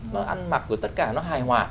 mà ăn mặc của tất cả nó hài hòa